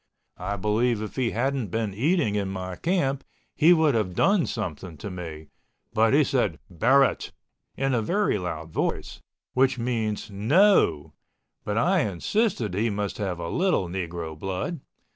I believe if he hadn't been eating in my camp he would have done something to me, but he said "Barrett" in a very loud voice, which means NO, but I insisted that he must have a little Negro blood.